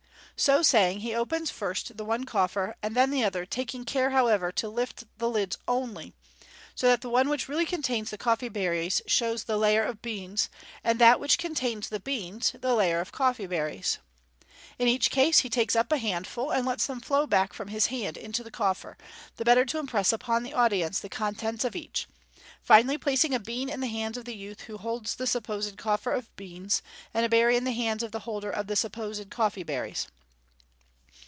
So saying, he opens first the one coffer and then the other, taking care, however, to lift the lids only, so that the one which really contains the coffee berries shows the layer of beans, and that which contains the beans the layer of coffee berries. In each case he takes up a handful, and lets them flow back from his hand into the coffer, the better to impress upon the audience the con tents of each, finally placing a bean in the hands of the youth who holds the supposed coffer of beans, and a berry in the hands of the holder of the supposed coffee berries.